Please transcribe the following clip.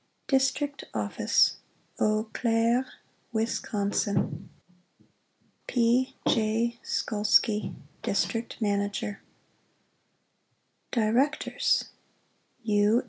DISTRICT OFFICE Eau Claire, Wisconsin Ō¢Ā P. J. SKOLSKY, District Manag er DIRECTORS U.